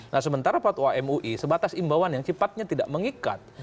nah sementara fatwa mui sebatas imbauan yang sifatnya tidak mengikat